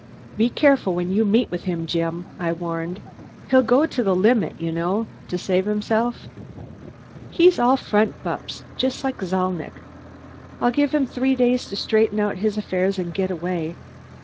"Be careful when you meet him, Jim," I warned. "He'll go to the limit, you know, to save himself." "He's all front, Bupps; just like Zalnitch. I'll give him three days to straighten out his affairs and get away.